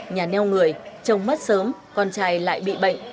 nhà neo người chồng mất sớm con trai lại bị bệnh